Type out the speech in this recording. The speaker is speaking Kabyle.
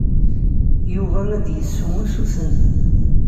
Yuba ad d-yessu usuten.